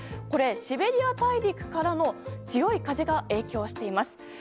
これ、シベリア大陸からの強い風が影響しています。